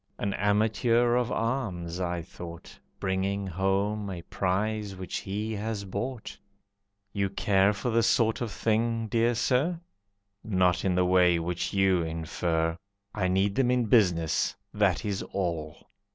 "An amateur of arms," I thought, "Bringing home a prize which he has bought." "You care for this sort of thing, Dear Sir?" "Not in the way which you infer. I need them in business, that is all."